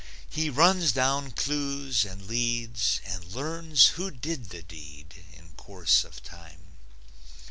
He runs down clues and leads, and learns Who did the deed, in course of time.